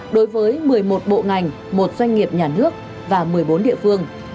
đối với một mươi một bộ ngành một doanh nghiệp nhà nước và một mươi bốn địa phương